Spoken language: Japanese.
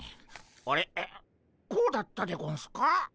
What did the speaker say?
こうだったでゴンスか？